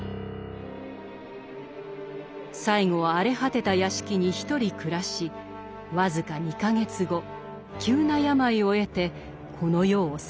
最後は荒れ果てた屋敷に一人暮らし僅か２か月後急な病を得てこの世を去りました。